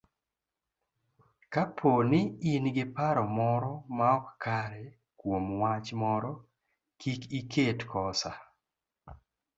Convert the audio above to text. Kapo ni in gi paro moro maok kare kuom wach moro, kik iket kosa